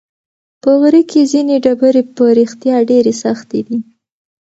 په غره کې ځینې ډبرې په رښتیا ډېرې سختې دي.